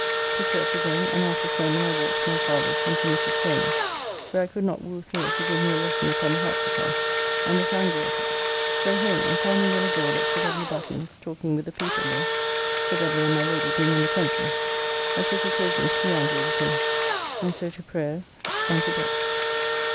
To church again, and after sermon I walked to my father's, and to Mrs. Turner's, where I could not woo The. to give me a lesson upon the harpsicon and was angry at it. So home and finding Will abroad at Sir W. Batten's talking with the people there (Sir W. and my Lady being in the country), I took occasion to be angry with him, and so to prayers and to bed.